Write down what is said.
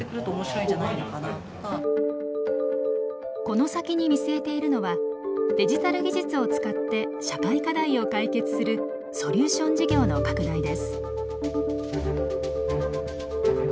この先に見据えているのはデジタル技術を使って社会課題を解決するソリューション事業の拡大です。